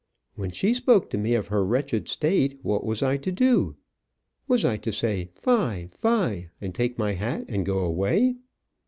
When she spoke to me of her wretched state, what was I to do? Was I to say, fie! fie! and take my hat and go away?